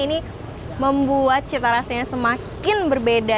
ini membuat cita rasanya semakin berbeda